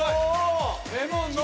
レモンのみ。